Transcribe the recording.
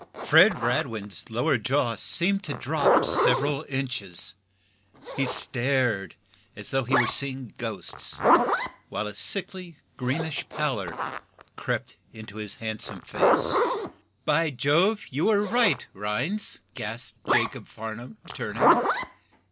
Fred Radwin's lower jaw seemed to drop several inches. He stared as though he were seeing ghosts, while a sickly, greenish pallor crept into his handsome face. "By Jove, you were right, Rhinds!" gasped Jacob Farnum, turning.